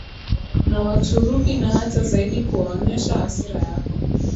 na Waturuki na hata zaidi kuwaonyesha hasira yako